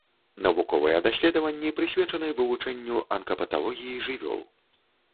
Навуковыя даследаванні прысвечаны вывучэнню анкапаталогіі жывёл.